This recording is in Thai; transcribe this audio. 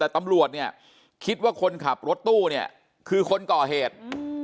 แต่ตำรวจเนี่ยคิดว่าคนขับรถตู้เนี่ยคือคนก่อเหตุ